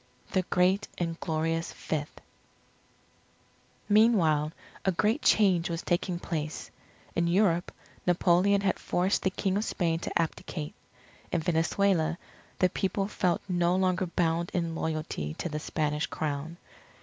THE GREAT AND GLORIOUS FIFTH Meanwhile, a great change was taking place. In Europe, Napoleon had forced the King of Spain to abdicate. In Venezuela the people felt no longer bound in loyalty to the Spanish Crown.